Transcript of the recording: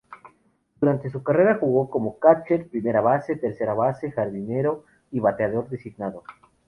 Durante su carrera, jugó como "catcher", "primera base", "tercera base", "jardinero" y "bateador designado".